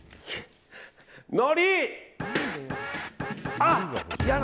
のり！